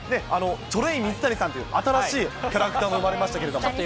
チョレイ水谷さんという、新しいキャラクターも生まれましたけれども。